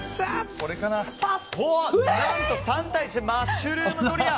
なんと３対１でマッシュルームドリア！